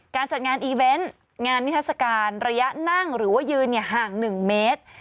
จัดงานอีเวนต์งานนิทัศกาลระยะนั่งหรือว่ายืนห่าง๑เมตร